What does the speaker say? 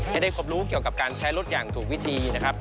จะได้ครบรู้เกี่ยวกับการใช้รถอย่างถูกวิธีนะครับ